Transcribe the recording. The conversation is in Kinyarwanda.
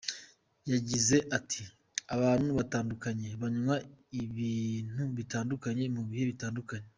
Yagize at “Abantu batandukanye, banywa ibintu bitandukanye mu bihe bitandukanye.